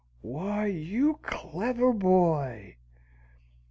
"Why, you clever boy!"